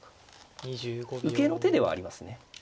受けの手ではありますね。